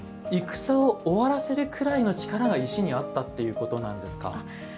戦を終わらせるぐらいの力が石にあったということなんですか。